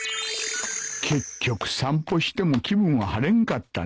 結局散歩しても気分は晴れんかったな